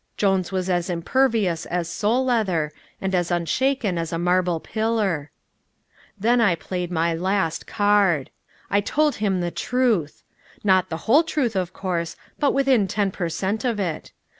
Jones was as impervious as sole leather, and as unshaken as a marble pillar. Then I played my last card. I told him the truth! Not the whole truth, of course, but within ten per cent. of it.